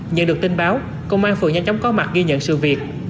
nhận được tin báo công an phường nhanh chóng có mặt ghi nhận sự việc